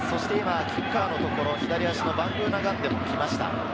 キッカーのところ、左足のバングーナガンデがきました。